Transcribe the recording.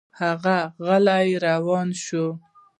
هغه غلی روان شو.